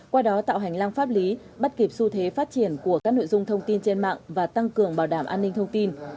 qua đó tạo hành lang pháp lý bắt kịp xu thế phát triển của các nội dung thông tin trên mạng và tăng cường bảo đảm an ninh thông tin